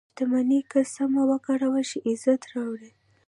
• شتمني که سمه وکارول شي، عزت راوړي.